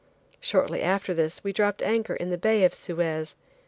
Shortly after this we dropped anchor in the Bay of Suez.